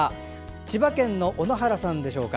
千葉県の小野原さんでしょうか。